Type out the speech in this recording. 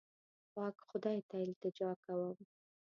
پاک خدای ته التجا کوم.